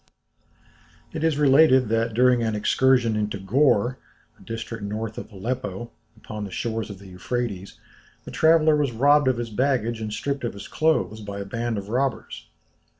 It is related that, during an excursion into Gor, a district north of Aleppo, upon the shores of the Euphrates, the traveller was robbed of his baggage and stripped of his clothes by a band of robbers.